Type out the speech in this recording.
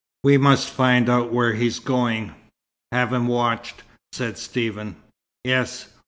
"We must find out where he's going have him watched," said Stephen. "Yes.